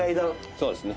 そうですね。